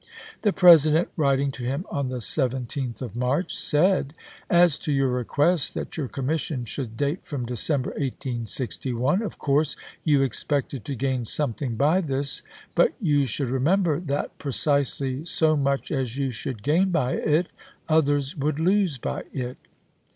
The President, writing to him on the 17th of March, im. said :" As to your request that your commission should date from December, 1861, of course you expected to gain something by this, but you should remember that precisely so much as you should gain by it others would lose by it.